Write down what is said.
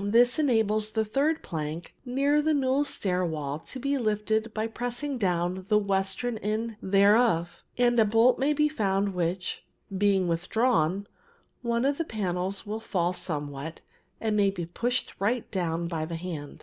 This enables the third plank near the newel stair wall to be lifted by pressing down the western end thereof, and a bolt may be found which, being withdrawn, one of the panels will fall somewhat and may be pushed right down by the hand.